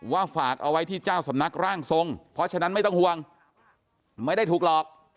ฝากเอาไว้ที่เจ้าสำนักร่างทรงเพราะฉะนั้นไม่ต้องห่วงไม่ได้ถูกหลอก